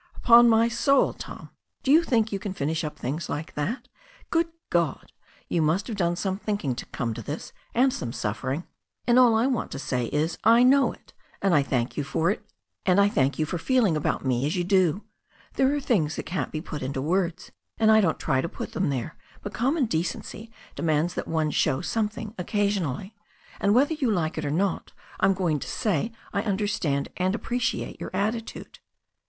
"Upon my soul, Tom, do you think you can finish up things like that? Good God! You must have done some thinking to come to this, and some suffering. And all I want to say is I know it, and I thank you for feeling about me as you do. There are things that can't be put into words, and I don't try to put them there, but common decency demands that one show something occasionally. And whether you like it or not, I'm going to say I under stand and appreciate your attitude."